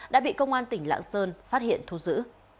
đã bị công an tỉnh lạng sơn phát hiện thu giữ